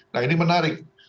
nah ini menarik